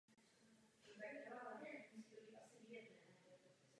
Rekonstrukce byla oceněna cenou obchod roku Czech Grand Design.